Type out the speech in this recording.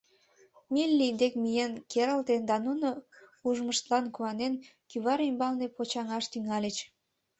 Милли дек миен керылте да нуно ужмыштлан куанен, кӱвар ӱмбалне почаҥаш тӱҥальыч.